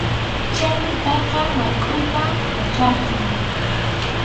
Chaymi payqa waykʼuyta yacharqan.